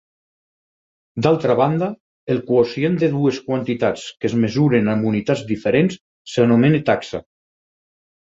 D'altra banda, el quocient de dues quantitats que es mesuren amb unitats diferents s'anomena taxa.